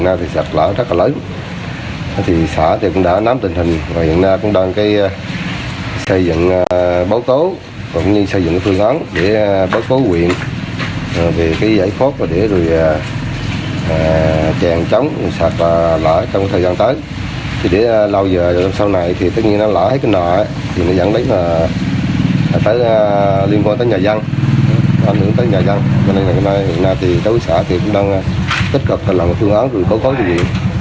nên là hiện nay thì cháu xã thì cũng đang tích cực là một thương án rồi cố gói điều gì